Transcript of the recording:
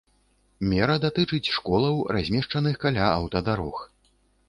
Мера датычыць школаў, размешчаных каля аўтадарог.